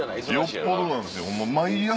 よっぽどなんですよもう毎朝。